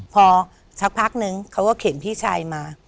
พอสักพักนึงเขาก็เข็นพี่ชายมา